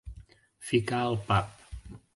Ficar al pap.